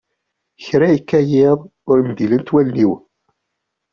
kra yekka yiḍ, ur mdilent wallen-iw.